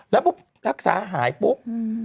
แล้วปุ๊บรักษาหายปุ๊บ